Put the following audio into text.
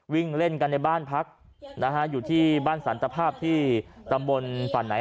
วิ่งเล่นกันในบ้านพักนะฮะอยู่ที่บ้านสันตภาพที่ตำบลฝั่งไหน